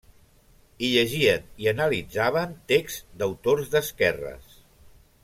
Hi llegien i analitzaven texts d'autors d'esquerres.